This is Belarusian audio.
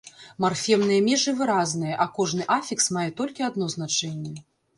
Марфемныя межы выразныя, а кожны афікс мае толькі адно значэнне.